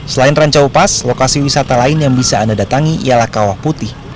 selain rancaupas lokasi wisata lain yang bisa anda datangi ialah kawah putih